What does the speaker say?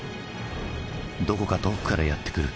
どこか遠くからやって来る